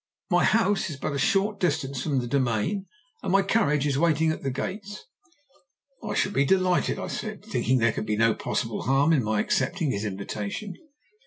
My house is but a short distance from the Domain, and my carriage is waiting at the gates.' "'I shall be delighted,' I said, thinking there could be no possible harm in my accepting his invitation.